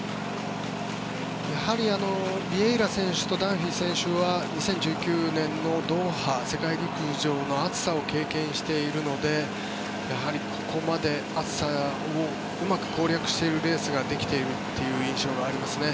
やはりビエイラ選手とカウリー選手は２０１９年のドーハ世界陸上の暑さを経験しているのでここまで暑さをうまく攻略しているレースができている感じですね。